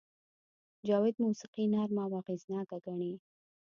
جاوید موسیقي نرمه او اغېزناکه ګڼي